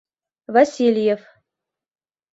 Васильев...